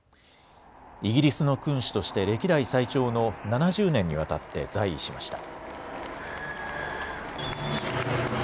イギリスの君主として歴代最長の７０年にわたって在位しました。